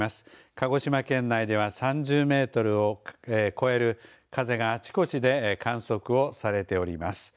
鹿児島県内では３０メートルを超える風があちこちで観測をされております。